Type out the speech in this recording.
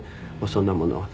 そんなものは。